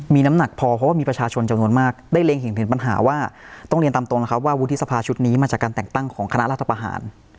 มีน้ำหนักพอเพราะว่ามีประชาชนจำนวนมากได้เล็งเห็นถึงปัญหาว่าต้องเรียนตามตรงนะครับว่าวุฒิสภาชุดนี้มาจากการแต่งตั้งของคณะรัฐประหาร